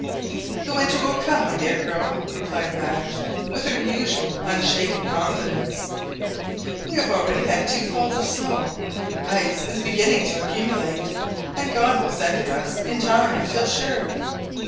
"The winter will come, my dear girl," replied Madge with her usual unshaken confidence. "We have already had two falls of snow. Ice is [begininng] beginning to accumulate, and God will send it us in time, I feel sure."